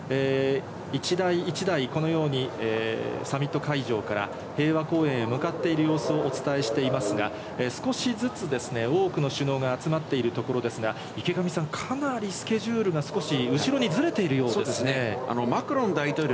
一台一台、このようにサミット会場から平和公園へ向かっている様子をお伝えしていますが、少しずつ多くの首脳が集まっているところですが、池上さん、かなりスケジュールが後ろにずれているようですね。